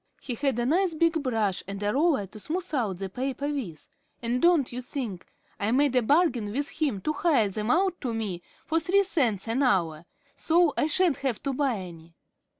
He had a nice big brush and a roller to smooth out the paper with, and don't you think, I made a bargain with him to hire them out to me for three cents an hour, so I sha'n't have to buy any."